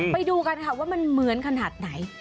ไปดูกันค่ะว่ามันเหมือนขนาดไหน